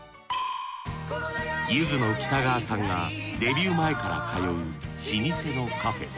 ゆずの北川さんがデビュー前から通う老舗のカフェ。